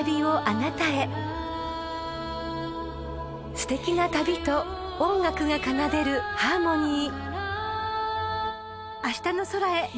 ［すてきな旅と音楽が奏でるハーモニー］